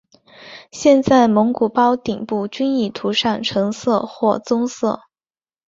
现在蒙古包顶部均已涂上橙色或棕色。